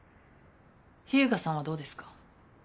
秘羽我さんはどうですか？